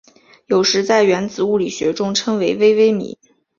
有时在原子物理学中称为微微米。